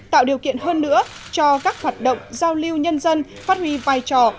tạo điều kiện hơn nữa cho các hoạt động giao lưu nhân dân phát huy vai trò